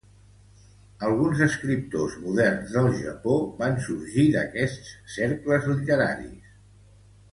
Alguns escriptors moderns del Japó van sorgir d'aquests cercles literaris.